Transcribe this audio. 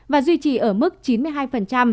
và duy trì ở mức chín mươi hai